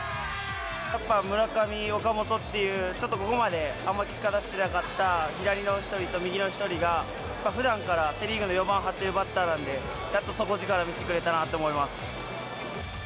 やっぱ村上、岡本っていう、ちょっとここまで結果出せてなかった、左の１人と右の１人が、やっぱふだんからセ・リーグで４番張ってるバッターなんで、やっと底力見せてくれたなって思います。